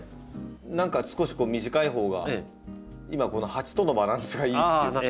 何か少し短いほうが今この鉢とのバランスがいいっていう。